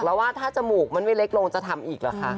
แล้วว่าถ้าจมูกมันไม่เล็กลงจะทำอีกเหรอคะ